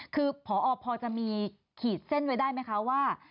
คือพอจะมีขีดเส้นไว้ได้ไหมคะว่า